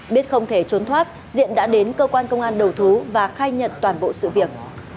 biết không thể trốn thoát diện đã đến cơ quan công an đầu thú và khai nhận toàn bộ sự việc